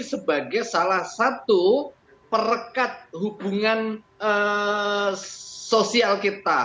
sebagai salah satu perekat hubungan sosial kita